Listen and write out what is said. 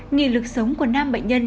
nghị lực sống của nam bệnh nhân